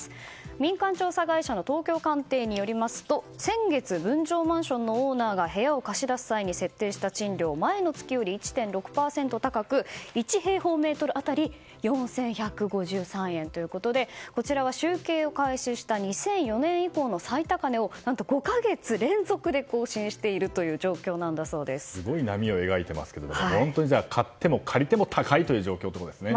民間調査会社の東京カンテイによりますと先月分譲マンションのオーナーが部屋を貸し出す際に設定した賃料は前の月より１．６％高く１平方メートル当たり４１５３円ということでこちらは集計を開始した２００４年以降の最高値を何と、５か月連続で更新しているすごい波を描いていますが本当に買っても借りても高いという状況ですね。